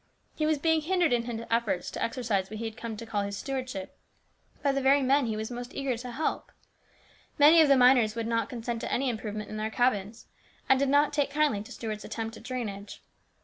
He was being hindered in his efforts to exercise what he had come to call his stewardship by the very men he was most eager to help. Many of the miners would not consent to any improvement in their cabins, and did not take kindly to Stuart's attempt at drainage.